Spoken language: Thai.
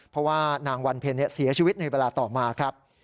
เพราะว่านางวันเพ็ญเสียชีวิตในเวลาต่อมาครับ